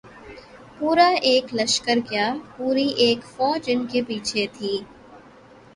پورا ایک لشکر کیا‘ پوری ایک فوج ان کے پیچھے تھی۔